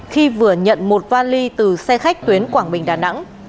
khi vừa nhận một vali từ xe khách tuyến quảng bình đà nẵng